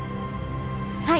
はい！